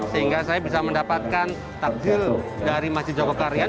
sehingga saya bisa mendapatkan takjil dari masjid jogokarian